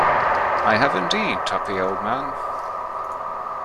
I have, indeed, Tuppy, old man.